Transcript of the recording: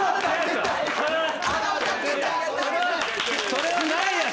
それはないやつ！